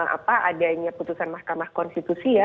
apa adanya putusan mahkamah konstitusi ya